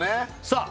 さあ